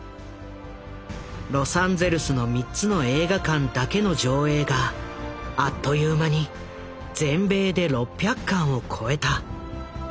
ロサンゼルスの３つの映画館だけの上映があっという間に全米で６００館を超えた。